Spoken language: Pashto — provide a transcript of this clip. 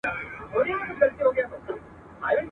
جګړه تقریباً خپره سوې وه.